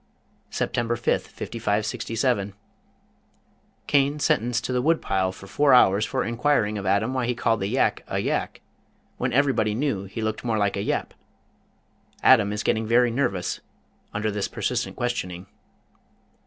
September 5th, 5567. Cain sentenced to the wood pile for four hours for enquiring of Adam why he called the Yak a Yak when everybody knew he looked more like a Yap. Adam is getting very nervous under this persistent questioning.